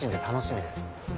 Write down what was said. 楽しみです。